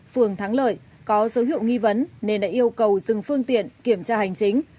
phường thắng lợi có dấu hiệu nghi vấn nên đã yêu cầu dừng phương tiện kiểm tra hành chính